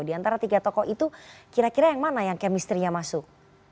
di antara tiga tokoh itu kira kira yang mana yang chemistry nya masuk